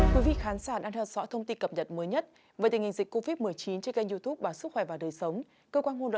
các bạn hãy đăng ký kênh để ủng hộ kênh của chúng mình nhé